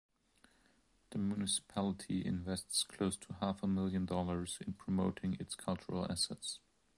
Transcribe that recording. The municipality invests close to half a million dollars in promoting its cultural assets.